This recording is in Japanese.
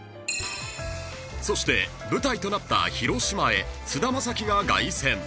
［そして舞台となった広島へ菅田将暉が凱旋］